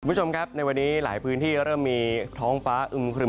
คุณผู้ชมครับในวันนี้หลายพื้นที่เริ่มมีท้องฟ้าอึมครึม